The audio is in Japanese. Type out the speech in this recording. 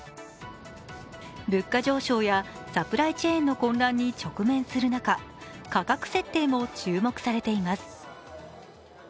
物価上昇やサプライチェーンの混乱に直面する中、価格設定も注目されています。